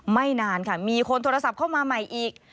ไม่นานค่ะมีคนโทรศัพท์เข้ามาใหม่อีก